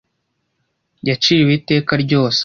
Yaciriwe iteka ryose?